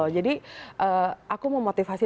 jadi aku memotivasi